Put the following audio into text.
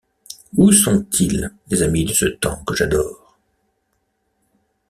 Où sont-ils, les amis de ce temps que j’adore?